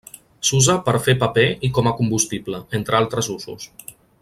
S'usa per a fer paper i com a combustible, entre altres usos.